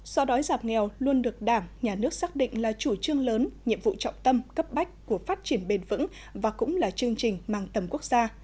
so đói giảm nghèo luôn được đảng nhà nước xác định là chủ trương lớn nhiệm vụ trọng tâm cấp bách của phát triển bền vững và cũng là chương trình mang tầm quốc gia